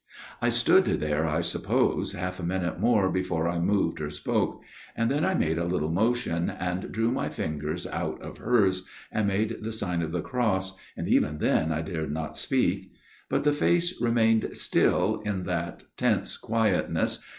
" I stood there, I suppose, half a minute more before I moved or spoke, and then I made a little { motion, and drew my fingers out of hers, and I made the sign of the cross, and even then I dared \ not speak. But the face remained still in that tense quietness